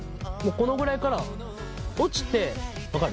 このぐらいから落ちて分かる？